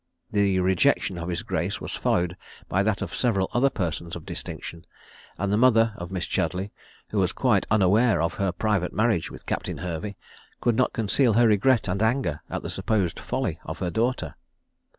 The rejection of his grace was followed by that of several other persons of distinction; and the mother of Miss Chudleigh, who was quite unaware of her private marriage with Captain Hervey, could not conceal her regret and anger at the supposed folly of her daughter.